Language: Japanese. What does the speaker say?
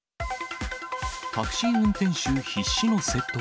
タクシー運転手必死の説得。